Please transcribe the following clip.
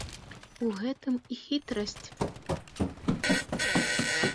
У гэтым і хітрасць.